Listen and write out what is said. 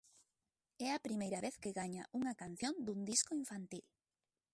É a primeira vez que gaña unha canción dun disco infantil.